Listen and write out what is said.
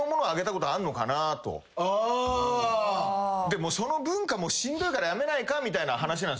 でもうその文化もしんどいからやめないかみたいな話なんすけど。